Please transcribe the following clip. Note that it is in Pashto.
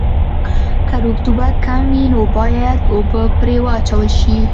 که رطوبت کم وي نو باید اوبه پرې واچول شي